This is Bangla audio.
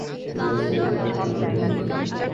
ঠিক আছে, প্ল্যান বি, রেডি?